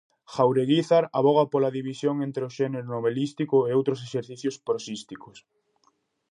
Jaureguizar avoga pola división entre o xénero novelístico e outros exercicios prosísticos.